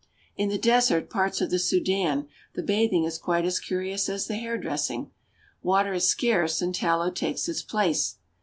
In the desert parts of the Sudan the bathing is quite as curious as the hairdressing. Water is scarce, and tallow takes its place.